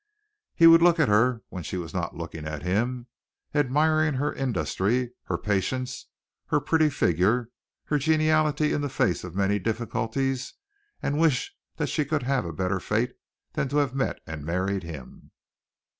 He would look at her when she was not looking at him, admiring her industry, her patience, her pretty figure, her geniality in the face of many difficulties, and wish that she could have had a better fate than to have met and married him.